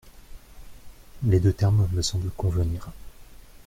Les deux termes me semblent convenir.